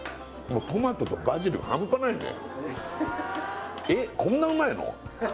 トマトとバジルハンパないね